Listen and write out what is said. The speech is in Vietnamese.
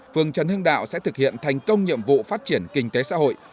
phường trần hương đạo sẽ thực hiện thành công nhiệm vụ phát triển kinh tế xã hội